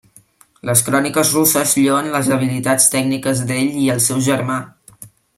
Les cròniques russes lloen les habilitats tàctiques d'ell i el seu germà.